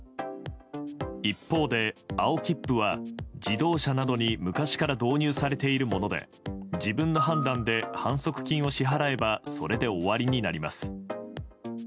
一方で、青切符は自動車などに昔から導入されているもので自分の判断で反則金を支払えばそれで終わりになります。